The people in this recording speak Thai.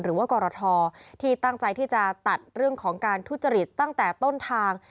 หรือว่ากรทที่ตั้งใจที่จะตัดเรื่องของการทุจริตตั้งแต่ต้นทาง